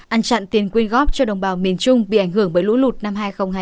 ăn chặn tiền quyên góp cho đồng bào miền trung bị ảnh hưởng bởi lũ lụt năm hai nghìn hai mươi ba